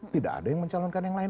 tidak ada yang mencalonkan yang lain